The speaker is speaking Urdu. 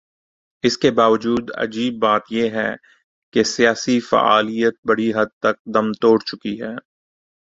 اس کے باوجود عجیب بات یہ ہے کہ سیاسی فعالیت بڑی حد تک دم توڑ چکی ہے۔